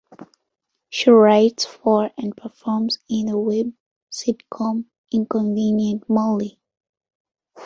She writes for and performs in the web sitcom, "Inconvenient Molly".